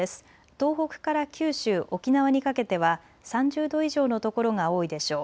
東北から九州、沖縄にかけては３０度以上の所が多いでしょう。